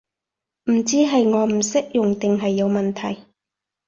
唔知係我唔識用定係有問題